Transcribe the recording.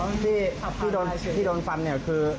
เพื่อนผมไม่เกี่ยวครับคือที่โดนฟันคือ